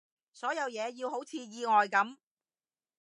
所有嘢要好似意外噉